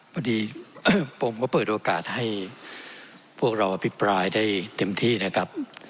พอดีผมก็เปิดโอกาสให้พวกเราอภิปรายได้เต็มที่นะครับ